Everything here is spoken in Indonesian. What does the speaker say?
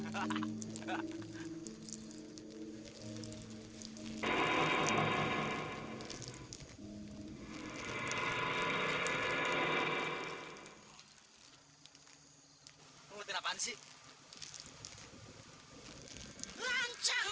sabar apa sih